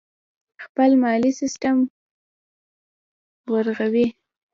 خپل مالي سیستم ورغوي.